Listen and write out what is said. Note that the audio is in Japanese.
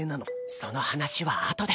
その話はあとで。